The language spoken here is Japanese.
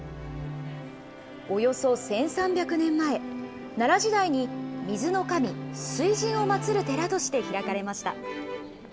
およそ１３００年前、奈良時代に水の神、水神をまつる寺として開かれました。